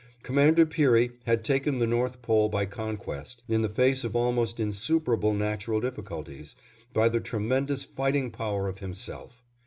Commander Peary had taken the North Pole by conquest, in the face of almost insuperable natural difficulties, by the tremendous fighting power of himself.